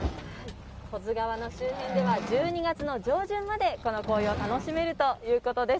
保津川の周辺では１２月上旬までこの紅葉を楽しめるということです。